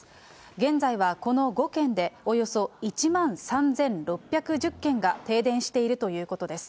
現在はこの５県で、およそ１万３６１０軒が停電しているということです。